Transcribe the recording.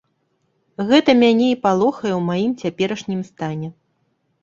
Гэта мяне і палохае ў маім цяперашнім стане.